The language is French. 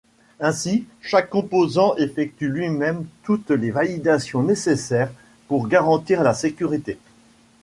Ainsi, chaque composant effectue lui-même toutes les validations nécessaires pour garantir la sécurité.